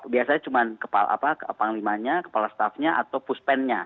biasanya cuma kepala apa kepala limanya kepala staffnya atau push pennya